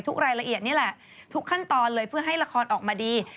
รายละเอียดนี่แหละทุกขั้นตอนเลยเพื่อให้ละครออกมาดี